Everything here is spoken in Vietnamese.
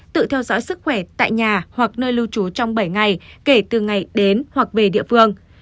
tự theo dõi sức khỏe tại nhà hoặc nơi lưu trú trong bảy ngày kể từ ngày đến hoặc về địa phương